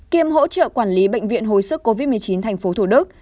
kiêm hỗ trợ quản lý bệnh viện hồi sức covid một mươi chín tp thủ đức